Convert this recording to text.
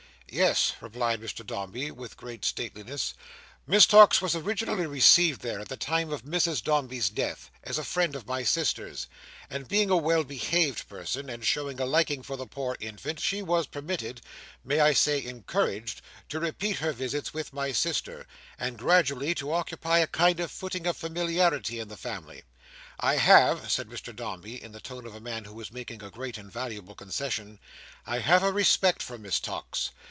"Yes," replied Mr Dombey with great stateliness, "Miss Tox was originally received there, at the time of Mrs Dombey's death, as a friend of my sister's; and being a well behaved person, and showing a liking for the poor infant, she was permitted—may I say encouraged—to repeat her visits with my sister, and gradually to occupy a kind of footing of familiarity in the family. I have," said Mr Dombey, in the tone of a man who was making a great and valuable concession, "I have a respect for Miss Tox.